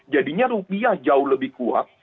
jadinya rupiah jauh lebih kuat